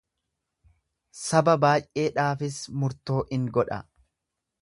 Saba baay'eedhaafis murtoo in godha.